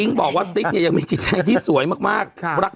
พี่โอ๊คบอกว่าเขินถ้าต้องเป็นเจ้าภาพเนี่ยไม่ไปร่วมงานคนอื่นอะได้